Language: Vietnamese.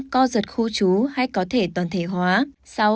năm co giật khu trú hay có thể toàn thể hóa